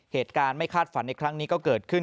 เหตุการณ์ไม่คาดฝันในครั้งนี้ก็เกิดขึ้น